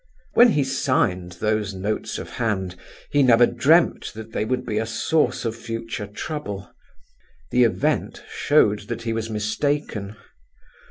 When he signed those notes of hand he never dreamt that they would be a source of future trouble. The event showed that he was mistaken.